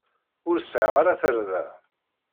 Ur sɛiɣ ara tarda.